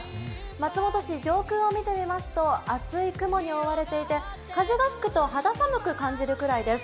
松本市、上空を見てみますと厚い雲に覆われていて、風が吹くと肌寒く感じるくらいです。